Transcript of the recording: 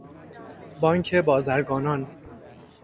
بانک بازرگانان